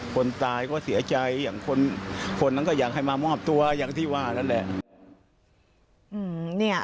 คนตายก็เสียใจอย่างคนนั้นก็อยากให้มามอบตัวอย่างที่ว่านั่นแหละ